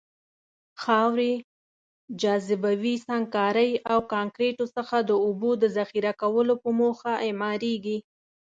خاورې، جاذبوي سنګکارۍ او کانکریتو څخه د اوبو د ذخیره کولو په موخه اعماريږي.